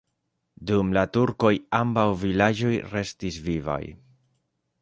Dum la turkoj ambaŭ vilaĝoj restis vivaj.